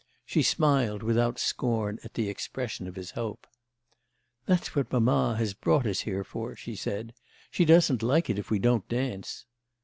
She smiled without scorn at the expression of his hope. "That's what mamma has brought us here for," she said; "she doesn't like it if we don't dance."